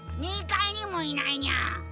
２階にもいないニャ！